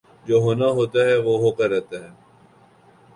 جو ہونا ہوتاہےوہ ہو کر رہتا ہے